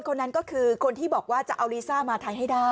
คนนั้นก็คือคนที่บอกว่าจะเอาลีซ่ามาไทยให้ได้